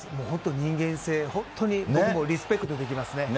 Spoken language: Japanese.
人間性、本当にリスペクトできます。